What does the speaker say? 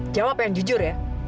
jawab yang jujur ya